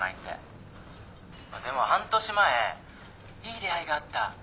でも半年前「いい出会いがあった。